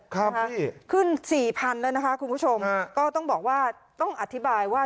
ข้ามพี่ขึ้น๔๐๐๐เลยนะคะคุณผู้ชมก็ต้องบอกว่าต้องอธิบายว่า